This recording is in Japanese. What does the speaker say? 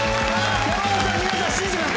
山本さん皆さん信じてます